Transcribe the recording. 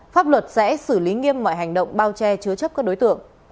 pháp luật sẽ xử lý nghiêm mọi hành động bao che chứa chấp các đối tượng